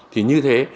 thì như thế